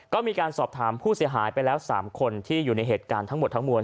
ก็มีการสอบถามผู้เสียหายไปแล้ว๓คนที่อยู่ในเหตุการณ์ทั้งหมดทั้งมวล